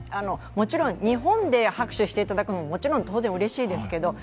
もちろん日本で拍手していただくのも当然うれしいですけど